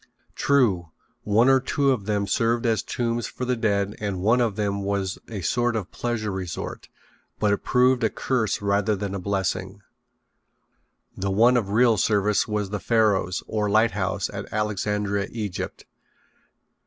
True, one or two of them served as tombs for the dead and one of them was a sort of a pleasure resort, but it proved a curse rather than a blessing. The one of real service was the Pharos, or lighthouse, at Alexandria, Egypt.